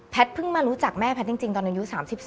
เพิ่งมารู้จักแม่แพทย์จริงตอนอายุ๓๒